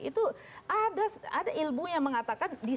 itu ada ilmu yang mengatakan